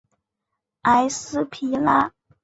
埃斯皮拉。